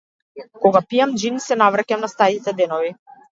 Кога пијам џин се навраќам на старите денови.